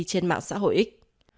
trong mạng xã hội x